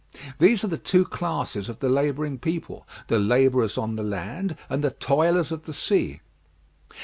These are the two classes of the labouring people; the labourers on the land, and the toilers of the sea.